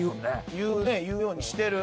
言うね言うようにしてる。